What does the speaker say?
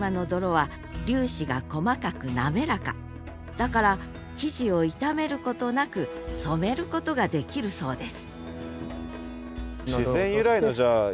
だから生地を傷めることなく染めることができるそうです